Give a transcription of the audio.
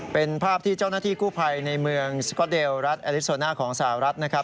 เป็นภาพที่เจ้าหน้าที่กู้ภัยในเมืองสก๊อตเดลรัฐแอลิโซน่าของสหรัฐนะครับ